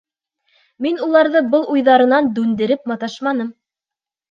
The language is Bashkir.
Мин уларҙы был уйҙарынан дүндереп маташманым.